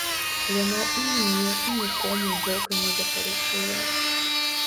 Яна і ні мне і нікому вока не запарушыла.